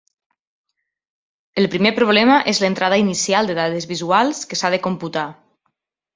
El primer problema és l’entrada inicial de dades visuals que s’ha de computar.